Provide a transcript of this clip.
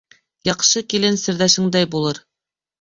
Яҡшы килен серҙәшеңдәй булыр